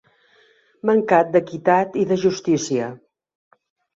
Mancat d'equitat i de justícia.